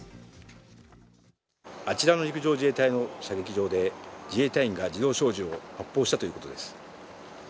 あちらの陸上自衛隊の射撃場で自衛隊員が自動小銃を発砲したということです。